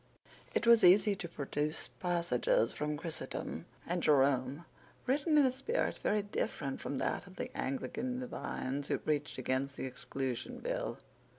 It was easy to produce passages from Chrysostom and Jerome written in a spirit very different from that of the Anglican divines who preached against the Exclusion Bill.